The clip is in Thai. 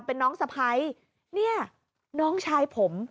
เป็นน้องสะพ้ายเนี่ยน้องชายผม